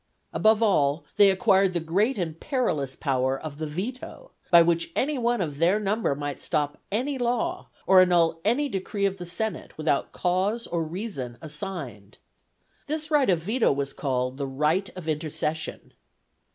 Above all, they acquired the great and perilous power of the veto, by which any one of their number might stop any law, or annul any decree of the senate without cause or reason assigned. This right of veto was called the "Right of Intercession."